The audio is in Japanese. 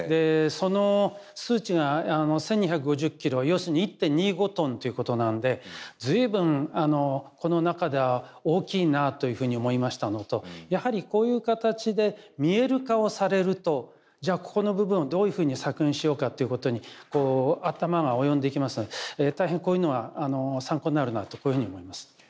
その数値が１，２５０ｋｇ要するに１．２５トンということなので随分この中では大きいなというふうに思いましたのとやはりこういう形で見える化をされるとじゃあここの部分をどういうふうに削減しようかということにこう頭が及んでいきますので大変こういうのは参考になるなとこういうふうに思います。